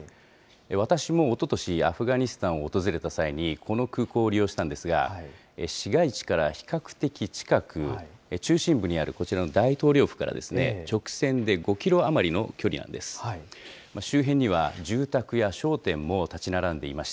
私もおととし、アフガニスタンを訪れた際に、この空港を利用したんですが、市街地から比較的近く、中心部にあるこちらの大統領府から直線で５キロ余りの距離なんです。